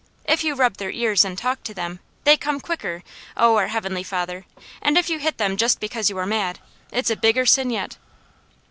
If you rub their ears and talk to them, they come quicker, O our Heavenly Father, and if you hit them just because you are mad, it's a bigger sin yet.